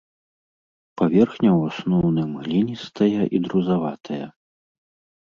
Паверхня ў асноўным гліністая і друзаватая.